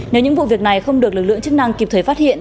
nếu những vụ việc này không được lực lượng chức năng kịp thời phát hiện